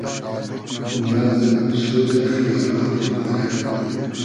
مئرزۂ پئرشودۂ خیالا تید پئرئگ